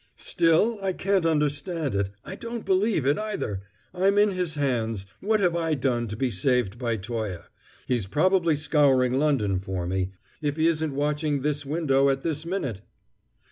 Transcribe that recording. "Still, I can't understand it. I don't believe it, either! I'm in his hands. What have I done to be saved by Toye? He's probably scouring London for me if he isn't watching this window at this minute!"